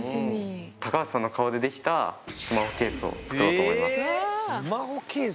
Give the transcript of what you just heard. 高橋さんの顔で出来たスマホケースを作ろうと思います。